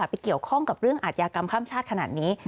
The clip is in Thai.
ไปเกี่ยวข้องกับเรื่องอาทยากรรมข้ามชาติขนาดนี้